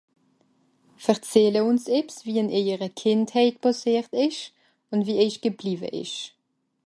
Verzähle ùns ebbs, wie ìn éiere Kìndhäit pàssiert ìsch, un wie éich gebliiwe ìsch.